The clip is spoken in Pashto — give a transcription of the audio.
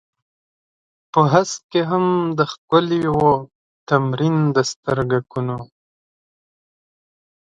په هسک کې هم د ښکليو و تمرين د سترگکونو.